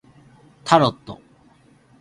タロット